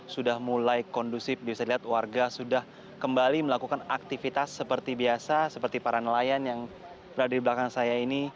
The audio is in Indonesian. sudah mulai kondusif bisa dilihat warga sudah kembali melakukan aktivitas seperti biasa seperti para nelayan yang berada di belakang saya ini